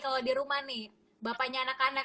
kalau di rumah nih bapaknya anak anak